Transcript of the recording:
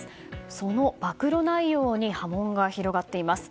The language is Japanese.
その暴露内容に波紋が広がっています。